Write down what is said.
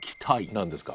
何ですか？